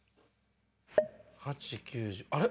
８、９、１０あれ？